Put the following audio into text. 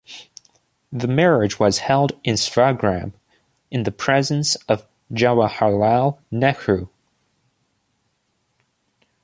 The marriage was held in Sevagram, in presence of Jawaharlal Nehru.